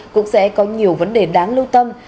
cũng sẽ có nhiều vấn đề đáng lưu tâm